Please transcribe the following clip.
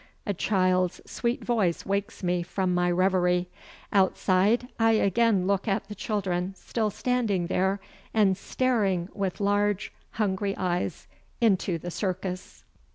A child's sweet voice wakes me from my revery. Outside I again look at the children still standing there and staring with large, hungry eyes into the Circus....